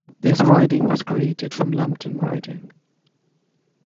This riding was created from Lambton riding.